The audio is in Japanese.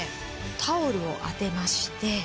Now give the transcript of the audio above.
タオルを当てまして。